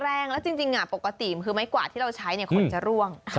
แข็งแรงแล้วจริงอ่ะปกติคือไม้กวาดที่เราใช้เนี่ยขนจะร่วง